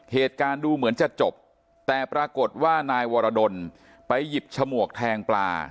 เหตุการณ์ดูเหมือนจะจบแต่ปรากฏว่านายวรดลไปหยิบฉมวกแทงปลา